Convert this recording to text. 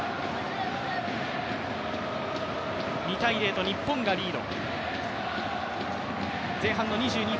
２ー０と日本がリード。